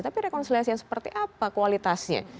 tapi rekonsiliasi yang seperti apa kualitasnya